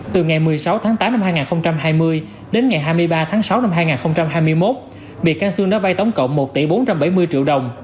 từ ngày một mươi sáu tháng tám năm hai nghìn hai mươi đến ngày hai mươi ba tháng sáu năm hai nghìn hai mươi một bị can xương đã vay tổng cộng một tỷ bốn trăm bảy mươi triệu đồng